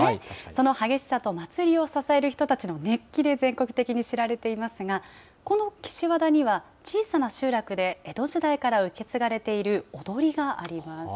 その激しさと祭りを支える人たちの熱気で全国的に知られていますが、この岸和田には、小さな集落で江戸時代から受け継がれている踊りがあります。